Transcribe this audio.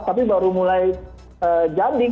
tapi baru mulai janding